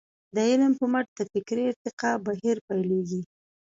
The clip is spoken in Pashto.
د علم په مټ د فکري ارتقاء بهير پيلېږي.